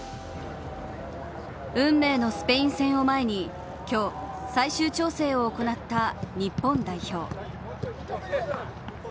運命のスペイン戦を前に今日、最終調整を行った日本代表。